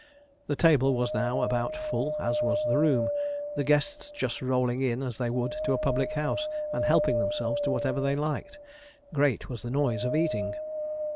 The table was now about full, as was the room; the guests just rolling in as they would to a public house, and helping themselves to whatever they liked. Great was the noise of eating.